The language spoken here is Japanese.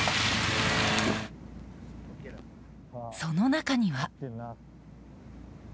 その中には。